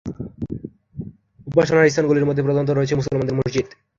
উপাসনার স্থানগুলির মধ্যে প্রধানত রয়েছে মুসলমানদের মসজিদ।